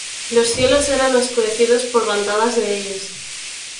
Los cielos eran oscurecidos por bandadas de ellos.